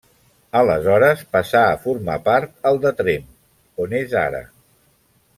Aleshores passà a formar part al de Tremp, on és ara.